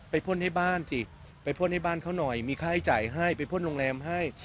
พ่นให้บ้านสิไปพ่นให้บ้านเขาหน่อยมีค่าใช้จ่ายให้ไปพ่นโรงแรมให้